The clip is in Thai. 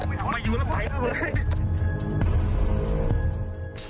อ้าวมาอยู่แบบไหนก็เฮ้ย